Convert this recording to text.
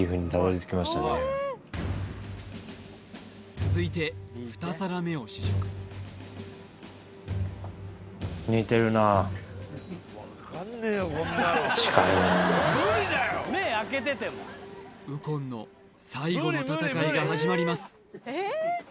続いて２皿目を試食近いな右近の最後の戦いが始まります